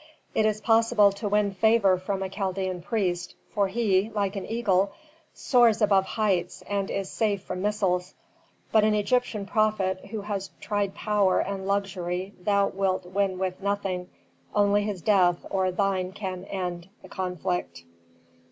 It is possible to win favor from a Chaldean priest, for he, like an eagle, soars above heights and is safe from missiles. But an Egyptian prophet who has tried power and luxury thou wilt win with nothing, only his death or thine can end the conflict."